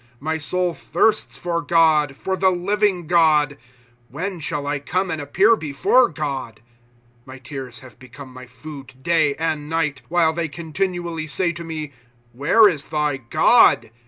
■ My soul thirsts for God, for the living God ; When shall I come, and appear before God !■ My tears have become my food day and night, While they continually say to me, Where is thy God?